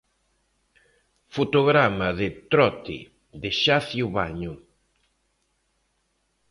Fotograma de 'Trote', de Xacio Baño.